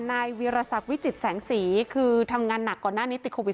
ในเวียรษักวิจิตแสหงศรีคือทำงานหนักก่อนหน้านี้ติดคโปรปิต